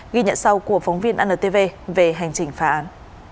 ghi nhận sau của phóng viên antv về hành trình phá án